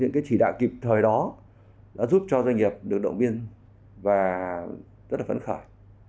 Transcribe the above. những chỉ đạo kịp thời đó đã giúp cho doanh nghiệp được động viên và rất là phấn khởi